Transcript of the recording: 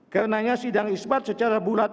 karenanya sidang isbat secara bulat